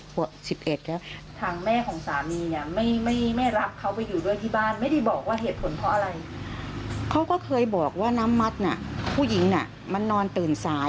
เขาก็เคยบอกว่าน้ำมัดน่ะผู้หญิงน่ะมันนอนตื่นสาย